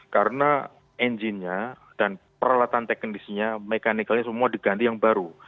karena engine nya dan peralatan teknisnya mekanical nya semua diganti yang baru